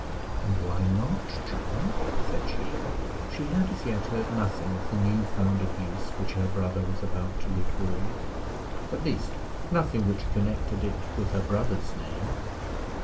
"And why not, John?" said she. She had as yet heard nothing of the new found abuse which her brother was about to reform; at least nothing which connected it with her brother's name.